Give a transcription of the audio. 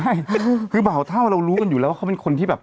ใช่คือเบาเท่าเรารู้กันอยู่แล้วว่าเขาเป็นคนที่แบบ